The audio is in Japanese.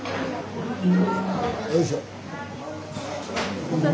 よいしょ。